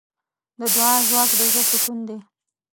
د دعا ځواک د زړۀ سکون دی.